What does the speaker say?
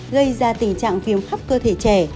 gây ra tình trạng viêm khắp cơ thể trẻ